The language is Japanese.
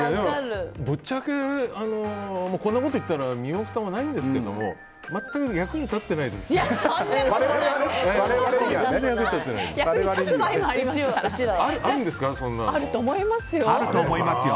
ぶっちゃけこんなこと言ったら身もふたもないんですけどそんなことはないですよ。